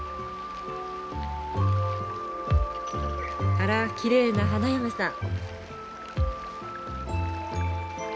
あらきれいな花嫁さん。